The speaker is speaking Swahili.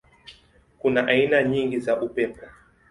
Kuna aina nyingi za upepo.